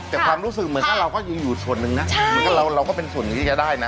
แต่ความรู้สึกเหมือนกับเราก็อยู่ส่วนหนึ่งนะเราก็เป็นส่วนหนึ่งที่จะได้นะ